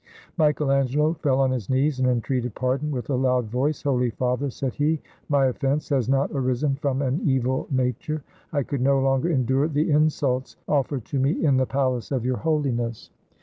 Michael Angelo fell on his knees, and entreated pardon with a loud voice. "Holy Father," said he, "my offense has not arisen from an evil nature; I could no longer endure the insults offered to me in the palace of Your Hohness